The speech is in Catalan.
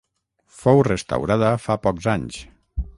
Fou restaurada fa pocs anys.